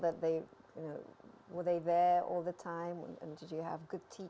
dan kemudian bagaimana kamu merasa